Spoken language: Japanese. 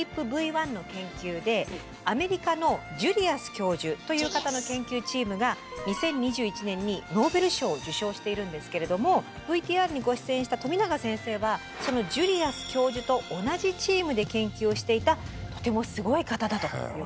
ＴＲＰＶ１の研究でアメリカのジュリアス教授という方の研究チームが２０２１年にノーベル賞を受賞しているんですけれどもＶＴＲにご出演した富永先生はそのジュリアス教授と同じチームで研究をしていたとてもすごい方だということなんです。